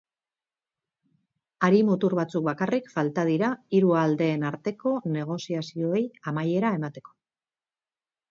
Hari-mutur batzuk bakarrik falta dira hiru aldeen arteko negoziazioei amaiera emateko.